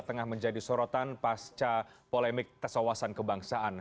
tengah menjadi sorotan pasca polemik tersawasan kebangsaan